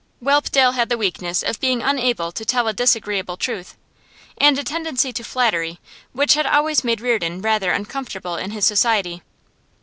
Whelpdale had the weakness of being unable to tell a disagreeable truth, and a tendency to flattery which had always made Reardon rather uncomfortable in his society.